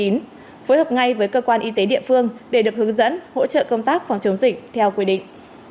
phối hợp ngay với cơ quan y tế địa phương để được hướng dẫn hỗ trợ công tác phòng chống dịch theo quy định